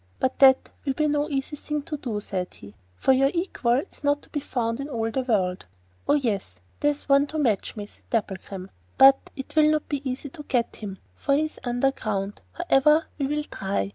'But that will be no easy thing to do,' said he, 'for your equal is not to be found in all the world.' 'Oh yes, there is one to match me,' said Dapplegrim. 'But it will not be easy to get him, for he is underground. However, we will try.